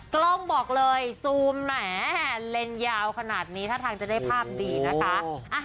กล้องบอกเลยซูมแหมเลนส์ยาวขนาดนี้ท่าทางจะได้ภาพดีนะคะ